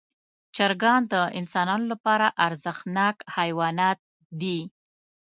چرګان د انسانانو لپاره ارزښتناک حیوانات دي.